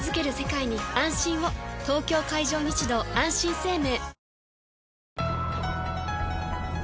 東京海上日動あんしん生命